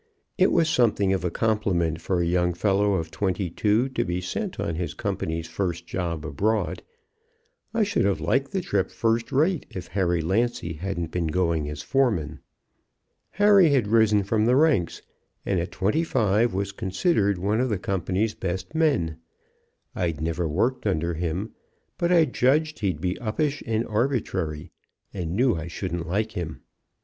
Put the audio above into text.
It was something of a compliment for a young fellow of twenty two to be sent on his company's first job abroad. I should have liked the trip first rate if Harry Lancy hadn't been going as foreman. "Harry had risen from the ranks, and at twenty five was considered one of the company's best men. I'd never worked under him; but I judged he'd be uppish and arbitrary, and knew I shouldn't like him.